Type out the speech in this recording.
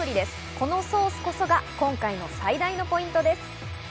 このソースこそが今回の最大のポイントです。